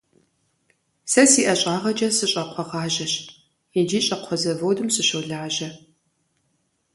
Сэ си ӏэщӏагъэкӏэ сыщӏакхъуэгъажьэщ икӏи щӏакхъуэ заводым сыщолажьэ.